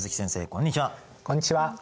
こんにちは。